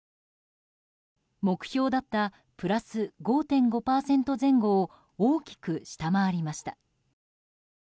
目標だったプラス５．５％前後を大きく下回りました。